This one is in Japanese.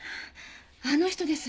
あの人です。